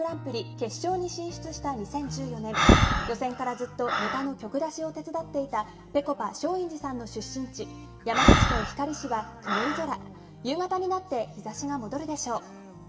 決勝に進出した２０１４年予選からずっとネタの曲出しを手伝っていたぺこぱ松陰寺さんの出身地山口県光市は曇り空、夕方になって日差しが戻るでしょう。